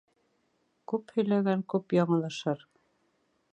Күп һөйләгән күп яңылышыр.